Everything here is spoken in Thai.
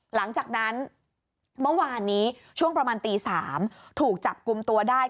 หลังจากนั้นเมื่อวานนี้ช่วงประมาณตี๓ถูกจับกลุ่มตัวได้